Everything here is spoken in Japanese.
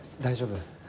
大丈夫？